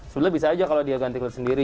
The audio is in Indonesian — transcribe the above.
sebenarnya bisa aja kalau dia ganti klub sendiri